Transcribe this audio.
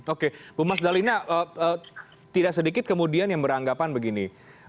oke bumas dalina tidak sedikit kemudian yang beranggapan begini